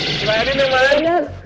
innalah adin ya man